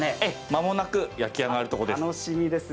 間もなく焼き上がるところです。